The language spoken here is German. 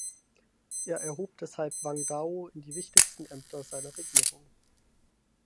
Er erhob deshalb Wang Dao in die wichtigsten Ämter seiner Regierung.